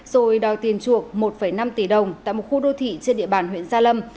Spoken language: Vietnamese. rồi đòi tiền chuộc một năm tỷ đồng tại một khu đô thị trên địa bàn huyện gia lâm